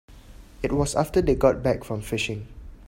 It was after they got back from fishing.